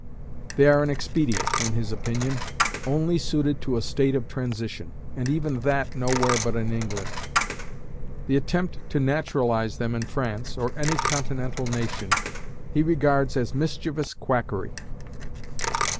They are an expedient, in his opinion, only suited to a state of transition, and even that nowhere but in England. The attempt to naturalize them in France, or any Continental nation, he regards as mischievous quackery.